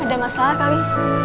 ada masalah kali